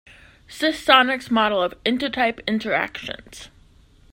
Socionics model of intertype interactions.